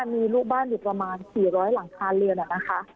มีลูกบ้านอยู่ว่ามีประมาณ๔๐๐หลังคา